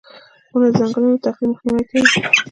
• ونه د ځنګلونو د تخریب مخنیوی کوي.